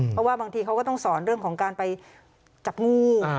เพราะว่าบางทีเขาก็ต้องสอนเรื่องของการไปจับงู